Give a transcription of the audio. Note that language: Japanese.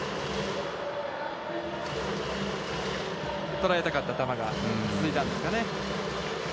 捉えたかった球が続いたんですかね。